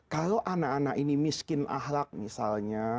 kalau anak anak ini miskin ahlak misalnya